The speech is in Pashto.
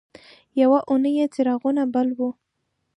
یوه اونۍ یې څراغونه بل وو.